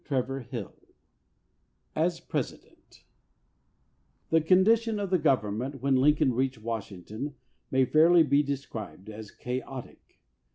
292 XXV AS PRESIDENT THE condition of the government when Lin coln reached Washington may fairly be described as chaotic.